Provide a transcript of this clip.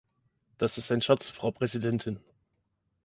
Das ist ein Scherz, Frau Präsidentin.